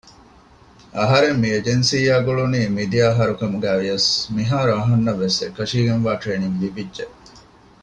އަހަރެން މި އެޖެންސީއާ ގުޅުނީ މިދިޔަ އަހަރު ކަމުގައިވިޔަސް މިހާރު އަހަންނަށްވެސް އެކަށީގެންވާ ޓްރެއިނިންގް ލިބިއްޖެ